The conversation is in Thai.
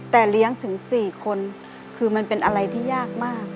แต่เลี้ยงถึง๔คนคือมันเป็นอะไรที่ยากมาก